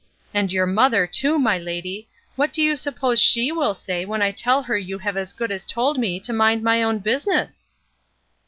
And your mother, too, my lady, what do you suppose she will say when I tell her you have as good as told me to mind my own business?"